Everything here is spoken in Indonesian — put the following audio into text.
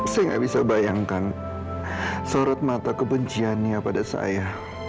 saya nggak bisa bayangkan sorot mata kebenciannya pada saya